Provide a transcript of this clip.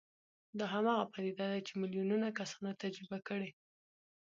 دا هماغه پديده ده چې ميليونونه کسانو تجربه کړې.